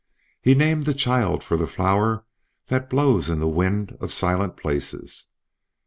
He named this child for the flower that blows in the wind of silent places.